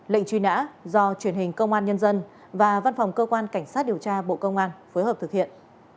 lệnh truy nã do truyền hình công an nhân dân và văn phòng cơ quan cảnh sát điều tra bộ công an phối hợp thực hiện